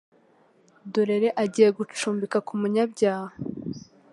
Dorere agiye gucumbika ku munyabyaha